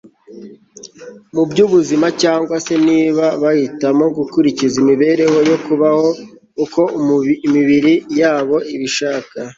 mu by'ubuzima cyangwa se niba bahitamo gukurikiza imibereho yo kubaho uko imibiri yabo ibishaka